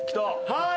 はい。